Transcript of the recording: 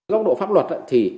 góc độ pháp luật thì